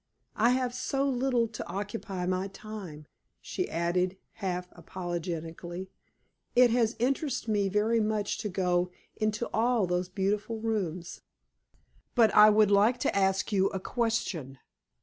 I have so little to occupy my time," she added, half apologetically. "It has interested me very much to go into all those beautiful rooms. But I would like to ask you a question.